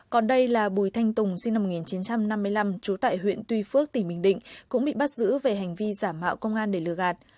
còn đây là bùi thanh tùng sinh năm một nghìn chín trăm năm mươi năm trú tại huyện tuy phước tỉnh bình định cũng bị bắt giữ về hành vi giả mạo công an để lừa gạt